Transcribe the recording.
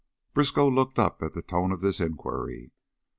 _" Briskow looked up at the tone of this inquiry.